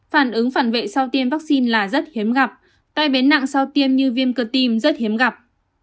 phản ứng phản vệ sau tiêm vaccine là rất hiếm gặp tai biến nặng sau tiêm như viêm cơ tim rất hiếm gặp